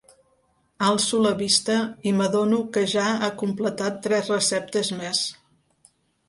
Alço la vista i m'adono que ja ha completat tres receptes més.